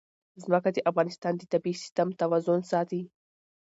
ځمکه د افغانستان د طبعي سیسټم توازن ساتي.